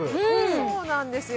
そうなんですよ